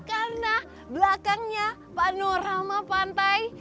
karena belakangnya panorama pantai